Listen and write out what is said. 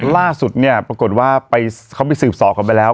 ล่าสุดเนี่ยปรากฏว่าเขาไปสืบสอบเขาไปแล้ว